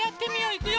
いくよ。